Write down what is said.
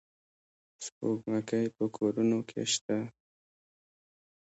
سپوږمکۍ په کورونو کې شته.